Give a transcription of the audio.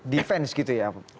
defense gitu ya pak haidar